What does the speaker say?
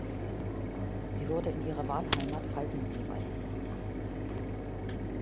Sie wurde in ihrer Wahlheimat Falkensee beigesetzt.